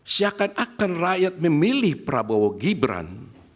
seakan akan rakyat memilih prabowo gibran